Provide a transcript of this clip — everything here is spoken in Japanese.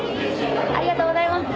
ありがとうございます。